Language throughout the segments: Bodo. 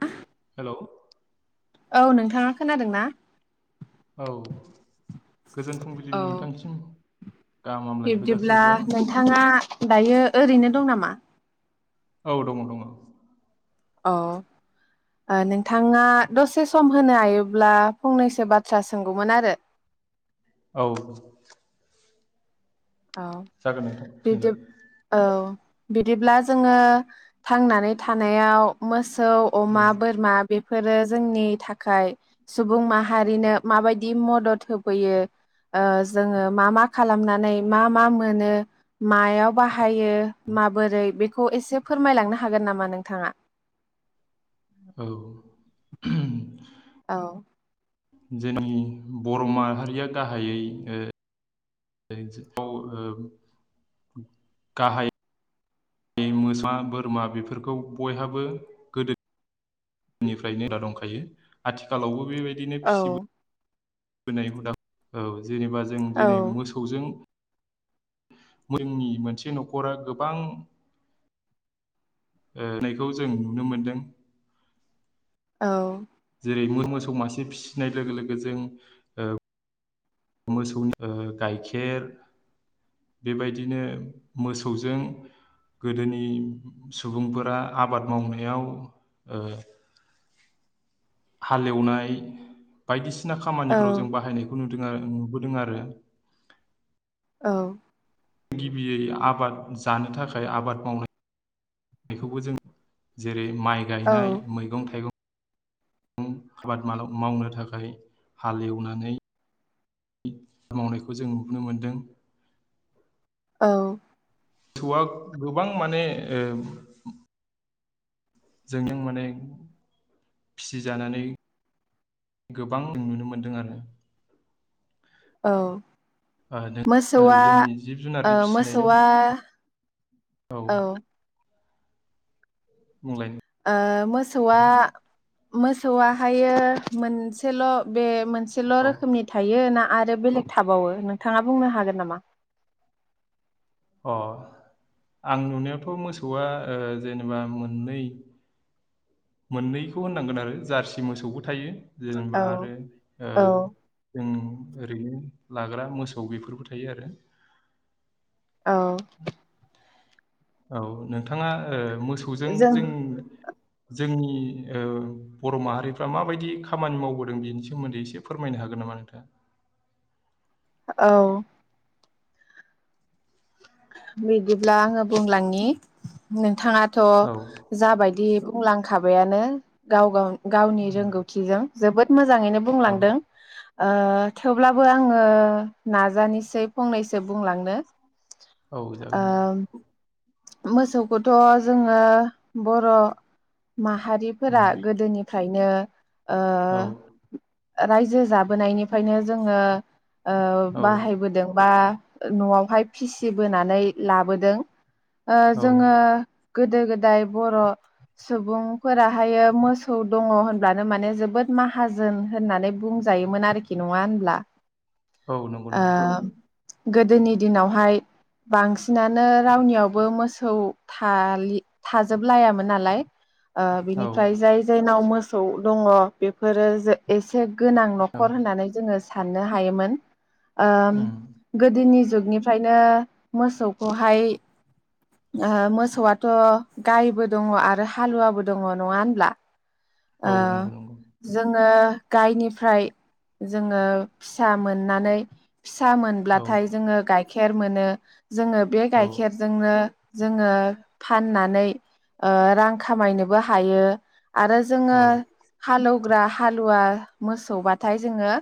आ हेलौ। औ नोंथाङा खोनादों ना? औ गोजोन फुंबिलिनि औ नोंथांसिम गाहाम हामलायनायखौ बिब्दिब्ला जासिहरबाय नोंथाङा दायो ओरैनो दं नामा? औ दङ दङ। अ नोंथाङा दसे सम होनो हायोब्ला फंनैसो बाथ्रा सोंगौमोन आरो? औ। आव जागोन नोंथां बैदि थिगैनो औ। बिदिब्ला जोङो थांनानै थानायाव मोस सौ अमा, औ बोरमा बेफोरो जोंनि थाखाय सुबुं माहारिनो माबायदि मदद होफैयो ओ जोङो मा मा खालामनानै मा मा मोनो मायाव बाह हायो माबोरै बेख खौ एसे फोरमायलांनो हागोन नामा नोंथाङा? औ उहम औ। जोंनि बर' माहारिया गाहायै ओ [inaudible] गाहाय इमोसा बोरमा बेफोरखौ बयहाबो गोदो निफ्रायनो [unintelligible] दंखायो आथिखालावबो बे बायदिनो औ फिसिबो नोय हुदा औ। जेनेबा जों औ दिनै मोसौजों [unintelligible] मोनसे न'खरा गोबां ओ नायखौ जों नुनो मोनदों। औ। [inaudible] मोसौ मासे फिसिनाय लोगो लोगो जों ओ मोसौन ओ गाइखेर बेबायदिनो मोसौजों गोदोनि सुबुंफोरा आबाद मावनायाव ओ हाल एवनाय बायदिस सिना औ खामानिफ्राव जों बाहायनायखौ नु दों आरो नुबोदों आरो। औ। गिबियै आबाद जानो थाखाय आबाद मावनाय खौबो जों जेरै माइ औ गायनाय मैगं थाइगं आबाद मालाव मावनो थाखाय हाल एवनानै मावनायखौ जों नुनो मोनदों। औ थौआ गोबां माने ओ जोंजों माने फिसिजानानै गोबां नुनो मोनदों आरो। औ ओ नों ओ मोसौआ जोंनि जिब ओ जुनारनि फिसिनायनि मोसौआ औ बुंलाय ओ मोसौआ। मोसौआ हायो मोनसेल' बे मोनस सेल' औ रोखोमनि थायो ना। आरो बेलेग थाबावो नोंथाङा बुंनो हागोन नामा? अ आं नुनायावथ' मोसौआ ओ जेनेबा मोननै मोननैखौ होननांगोन आरो जारसि मोसौबो थायो। औ जेनेबा आरो ओ औ जों ओरैनो लाग्रा मोसौ बेफोरबो थायो आरो। औ औ नोंथाङा। ओ मोसौजों जों। जोंनि ओ बर' माहारिफ्रा माबायदि खामानि मावबोदों बेनि सोमोन्दै एसे फोरमायनो हागोन नामा नोंथाङा? औ बिदिब्ला आङो बुंलांनि नोंथाङा? थ' जाबायदि बुंलांखाबायानो गाव गाव गावनि रोंगौथिजों जोबोद मोज मोजाङैनो औ बुंलांदों। ओ थेवब्लाबो आङो नाजानोसै फंनैसो बुंलांनो औ जागोन। ओ मोसौखौथ' जोङो बर'- माहारिफोरा उम गोदोनिफ्रायनो औ ओ रायजो जाबोनायनिफ्रायनो जोङो ओ औ बाहायबोदों बा न'आवहाय फिसिबोनाय नै लाबोदों ओ औ जोङो गोदो गोदाय बर' सुबुंफोराहायो मोसौ दङ होनब्लानो माने जोबोद माहाजोन होननानै बुंजायोमोन आरोखि नङा होनब्ला औ नंगौ नंगौ ओ गोदोनि दिनावहाय बांसिनानो रावनियावबो मोसौ थाजोब लायामोन नालाय ओ औ बिनिफ्राय जाय जायनाव मो मोसौ दङ बेफोरो एसे गोनां औ न'खर होननानै जोङो साननो हायोमोन ओ उम गोदोनि जुगनिफ्रायनो मोसौखौहाय ओ मोसौआथ' गायबो दङ आरो हालुवाबो दङ नङा होनब्ला ओ औ नंगौ नंगौ जोङो गायनिफ्राय जोङो फिसा मोननानै फिसा औ मोनब्लाथाय जोङो गाय खेर मोनो जोङो बे औ गाइखेरजोंनो जोङो फाननानै रां ओ खामायनोबो हायो आरो औ जोङो हालौ ग्रा हालुवा मोसौबाथाय जोङो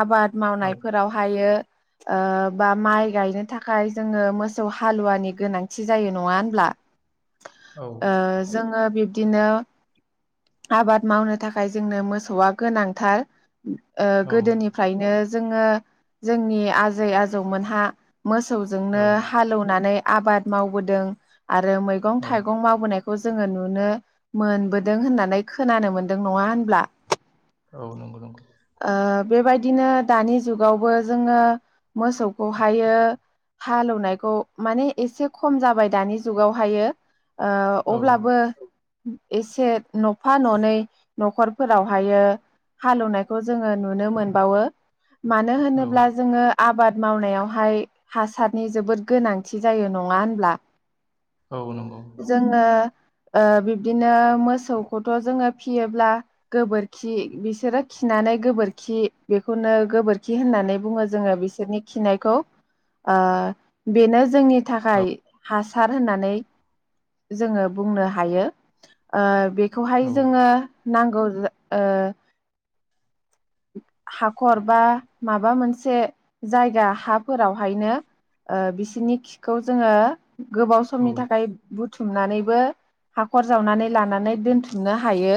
आबाद औ मावनायफोरावहायो ओ बा माइ गायनो थाखाय जोङो मोसौ हालुवानि गोनांथि जायो नङा होनब्ला ओ जोङो बिदिनो आबाद मावनो थाखाय जोंनो मोसौआ गोनांथार ओ औ गोदोनिफ्रायनो जोङो जोंनि आजै आजौमोनहा मोसौ जोंनो औ हालेवनानै आबाद मावबोदों आरो मैगं औ थाइगं मावबोनायखौ खौ जोङो नुनो मोनबोदों होननानै खोनानो मोनदों नङा होनब्ला औ नंगौ नंगौ ओ बेबायदिनो दानि जुगावबो जोङो मोसौखौहायो हालेवनायखौ माने एसे खम जाबाय दानि जुगावहायो ओ औ अब्लाबो एसे न'फा ननै न'खरफोरावहायो हालेवनायखौ जोङो नुनो मोनबावो मानो औ होनोब्ला जोङो आबाद मावनायावहाय हासारनि जोबोद गोनांथि जायो नङा होनब्ला औ नंगौ जोङो ओ बिब्दिनो मोसौखौथ' जोङो फियोब्ला गोबोरखि बिसोरो खिनानै गोबोरखि बेखौनो गोबोरखि होननानै बुङो जोङो बिसोरनि खिनायखौ ओ बेनो जोंनि औ थाखाय हासा सार होननानै जोङो बुंनो हायो ओ बे बेखौहाय औ जोङो नांगौ ओ हाखर बा माबा मोनसे जायगा हाफोरावहायनो ओ बिसिनि खिखौ जोङो गोबाव औ समनि थाखाय बु बुथुमनानैबो हाखर जावनानै लानानै दोनथुमनो हायो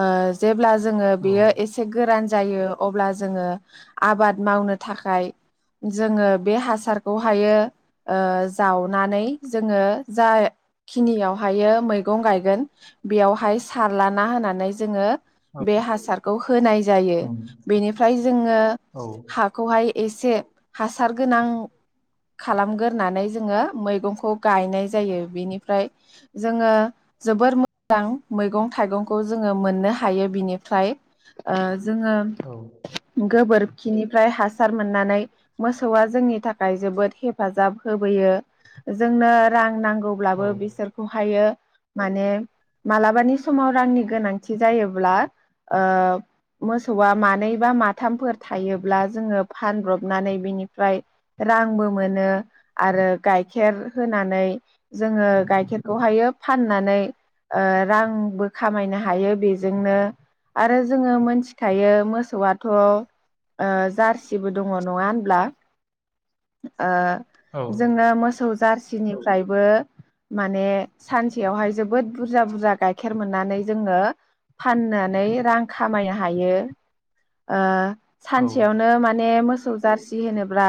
ओ जेब्ला जोङो औ बेयो एसे गोरान जायो अबला जोङो आबाद मावनो थाखाय जोङो बे हासार खौहायो ओ जावनानै जोङो जाखिनियावहायो मैगं गायगोन बेयावहाय सारलाना होनानै जोङो बे हासारखौ होनाय जायो उम बेनिफ्राय जोङो औ हाखौहाय एसे हासार गोनां खालामगोरनानै जोङो मैगंखौ गायनाय जायो बेनिफ्राय जोङो जोबोर मोजां मैगं थाइगंखौ जोङो मोननो हायो बिनिफ्राय ओ जोङो औ गोबोर खिनिफ्राय हासार मोननानै मोसौआ जोंनि था जोबोद हेफाजाब होबोयो जोंनो रां नांगौ औ गौब्लाबो बिसोरखौ हायो माने मालाबानि समाव रांनि गोनांथि जायोब्ला ओ मोसौआ मानै बा माथामफोर थायोब्ला जोङो फानब्रबनानै बिनिफ्राय रांबो मोनो आरो गाइखेर होनानै जोङो गाइखेरखौहायो फाननानै ओ रांबो खामायनो हायो बेजोंनो आरो जोङो मोनथिखायो मोसौआथ' ओ जारसिबो दङ नङा होनब्ला ओ जोङो मोसौ जारसि निफ्रायबो माने सानसेयावहाय जोबोद बुरजा बुरजा गाइखेर मोननानै जोङो फाननानै रां खामायनो हायो ओ औ सानसेयावनो माने मोसौ जारसि होनोब्ला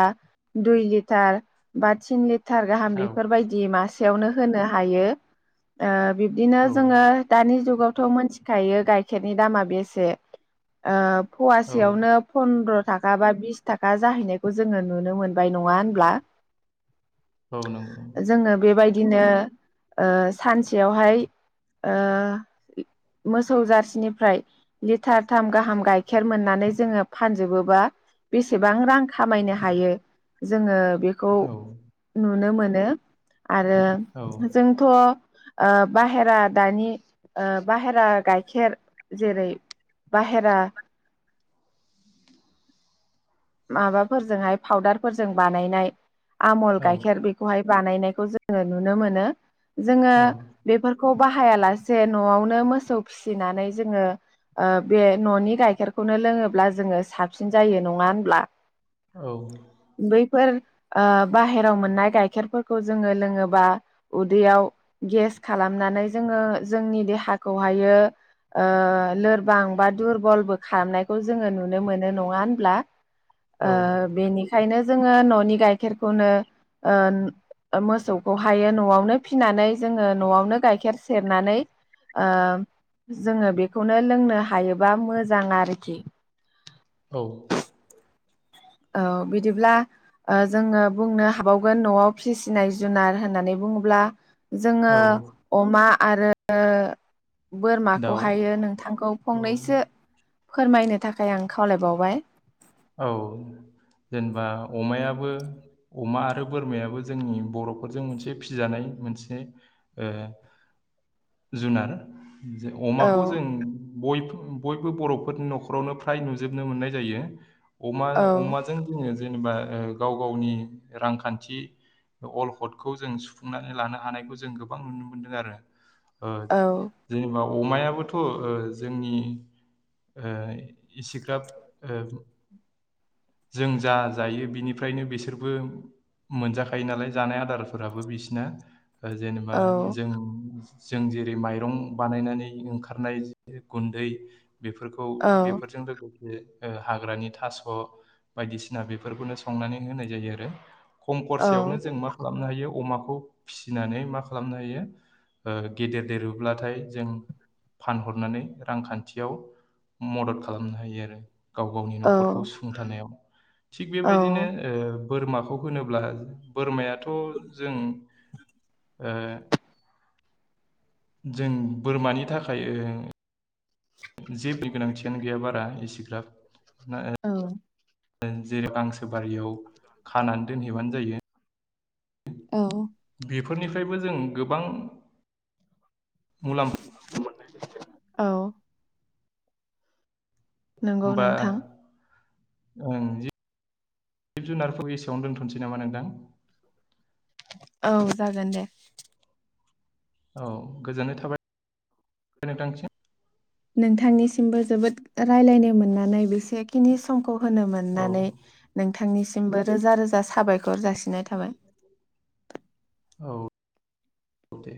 दुइ लिटार बा तिन लि थार गाहाम औ बेफोरबायदि मासे यावनो होनो हायो ओ बिबदिनो जोङो दानि जुगाव थ' मोनथिखायो गाइखेरनि दामा बेसेओ फवासेयावनो पन्द्र' ताखा बा बिस ताखा जाहैनायखौ जोङो नुनो मोन बाय नङा होनब्ला औ नंगौ नंगौ। जोंनो बेबायदि दिनो ओ सानसेयावहाय ओ मोसौ जारसिनिफ्राय लिटारथाम गाहाम गाइखेर मोननानै जोङो फानजोबोबा बेसेबां रां खामायनो हायो। जोङो बेखौ औ नुनो मोन नो आरो औ जोंथ' ओ बाहेरा दानि बाहेरा गाइखेर जेरै बाहेरा माबाफोरजोंहाय फाउदारफोरजों बानायनाय आमल गाइखेर बेखौहाय बानायनायखौ जोङो नुनो मोनो। जोङो औ बेफोर खौ बाहायालासे न'आवनो मोसौ फिसिनानै जोङो बे न'नि गाइखेरखौनो लोङोब्ला जोङो साबसिन जायो नङा ब्ला बैफोर ओ बाहेरायाव मोननाय गाइखेरफोरखौ जोङो लोङोबा उदैयाव गेस खालामनानै जोङो जोंनि देहाखौहायो ओ लोरबां बा दुरबलबो खालामनायखौ जोङो नुनो मोनो नङा होनब्ला ओ औ बेनिखायनो जोङो न'नि गाइखेरखौनो ओ मोसौखौ हायो न'आवनो फिनानै जोङो न'आवनो गाइखेर सेरनानै ओ जोङो बेखौनो लोंनो हायोबा मोजां आरोखि औ औ बिदिब्ला ओ जोङो बुंनो हाबावगोन न'आव फिसिनाय जुनार होननानै बुङोब्ला- जोङो औ अमा आरो दाउ बोरमाखौहायो नोंथांखौ औ फंनैसो फोरमायनो थाखाय आं खावलायबावबाय औ जेनेबा अमायाबो अमा आरो बोरमायाबो जोंनि बर'फोरजों मोनसे फिजानाय मोनसे ओ जुनार जे औ अमाखौ जों बयबो बर'फोरनि न'खरावनो फ्राय नुजोबनो मोननाय जायो। अमा औ अमाजों जोङो जेनेबा गाव गावनि रांखान्थि अलखदखौ जों सुफुंनानै लानो हानायखौ जों गोबां नुनो मोनदों आरो। ओ जेनेबा अमायाबोथ' ओ जोंनि ओ इसेग्राब ओ जों जा जायो बिनिफ्रायनो बिसोरबो मोनजाखायो नालाय जानाय आदारफोराबो बिसिना जेनेबा औ जों जों जेरै माइरं बानायनानै ओंखारनाय गुन्दै बेफोरखौ औ बेफोरजों बे ओ हाग्रानि थास' बायदिसिना बेफोरखौनो संनानै होनाय जायो आरो खम औ खरसायावनो जों मा खालामनो हायो अमाखौ फिसिनानै मा खालामनो हायो गेदेर देरोब्लाथाय जों फानहरनानै रांखान्थियाव मदद खालामनो हायो आरो गाव गावनि औ न'खरखौ सुंथानायाव थिग औ बेबायदिनो ओ बोरमाखौ होनोब्ला बोरमायाथ' जों ओ जों बोरमानि थाखाय जेबोनि गोनांथियानो गैया बारा एसे [unintelligible] औ जेरै गांसो बारियाव खानानै दोनहैबानो जायो औ बेफोरनिफ्रायबो जों गोबां मुलामफा औ नोंगौ होमबा नोंथां ओं जि जिब जुनारखौ एसेयावनो दोनथ'नोसै नामा नोंथां औ जागोन दे औ गोजोननाय थाबाय नोंथांसिम नोंथांनिसिमबो जोबोद रायलायनो मोननानै बेसेखिनि समखौ होनो औ मोननानै नोंथांनि बो रोजा रोजा साबायखर जासिनाय थाबाय औ औ दे